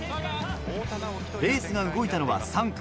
レースが動いたのは３区。